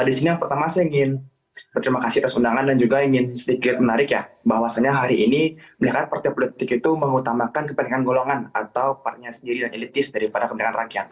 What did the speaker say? di sini yang pertama saya ingin berterima kasih atas undangan dan juga ingin sedikit menarik ya bahwasannya hari ini mereka partai politik itu mengutamakan kepentingan golongan atau partnya sendiri dan elitis daripada kepentingan rakyat